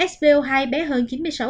spo hai bé hơn chín mươi sáu